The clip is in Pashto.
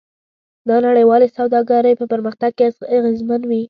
دا نړیوالې سوداګرۍ په پرمختګ کې اغیزمن وي.